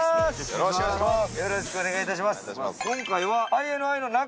よろしくお願いします！